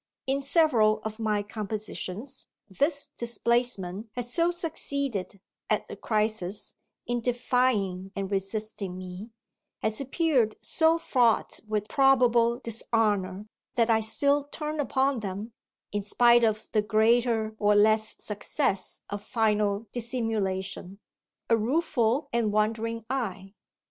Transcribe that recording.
In several of my compositions this displacement has so succeeded, at the crisis, in defying and resisting me, has appeared so fraught with probable dishonour, that I still turn upon them, in spite of the greater or less success of final dissimulation, a rueful and wondering eye.